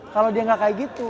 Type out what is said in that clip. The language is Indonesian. kalau dia nggak kayak gitu